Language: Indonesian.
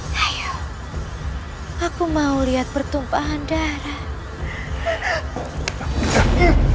sampai salah satu diantara kalian ada yang mati